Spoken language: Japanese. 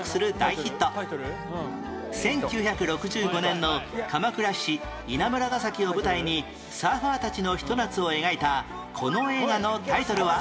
１９６５年の鎌倉市稲村ヶ崎を舞台にサーファーたちのひと夏を描いたこの映画のタイトルは？